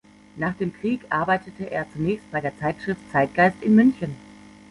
Nach dem Krieg arbeitete er zunächst bei der Zeitschrift Zeitgeist in München.